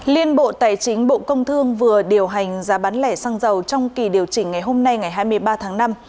liên bộ tài chính bộ công thương vừa điều hành giá bán lẻ xăng dầu trong kỳ điều chỉnh ngày hôm nay ngày hai mươi ba tháng năm